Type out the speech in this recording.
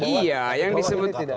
iya yang disebut